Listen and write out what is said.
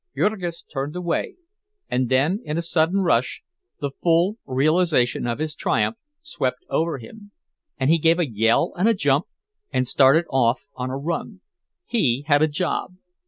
Jurgis turned away, and then in a sudden rush the full realization of his triumph swept over him, and he gave a yell and a jump, and started off on a run. He had a job!